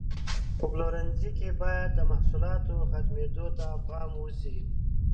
په پلورنځي کې باید د محصولاتو ختمېدو ته پام وشي.